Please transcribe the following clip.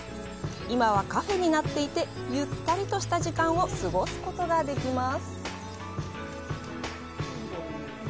今はカフェになっていてゆったりとした時間を過ごすことができます。